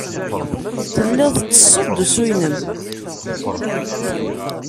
Tellid tettessud-d usu-nnem.